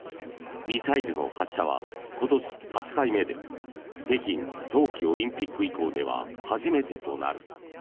ミサイルの発射は今年８回目で北京冬季オリンピック以降では初めてとなる。